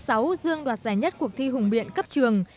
dương đoạt giải nhất cuộc thi hùng biện cấp trường